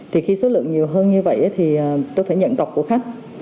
thì khi số lượng nhiều hơn như vậy thì tôi phải nhận tọc của khách